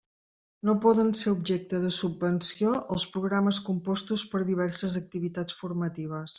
No poden ser objecte de subvenció els programes compostos per diverses activitats formatives.